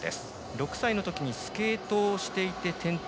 ６歳のときにスケートをしていて転倒。